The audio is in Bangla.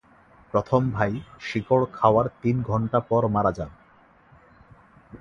প্রথম ভাই শিকড় খাওয়ার তিন ঘন্টা পর মারা যান।